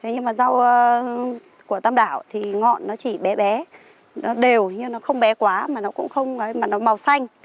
nhưng mà rau của tam đảo thì ngọn nó chỉ bé bé nó đều nhưng nó không bé quá mà nó cũng không màu xanh